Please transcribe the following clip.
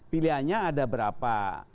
pilihannya ada berapa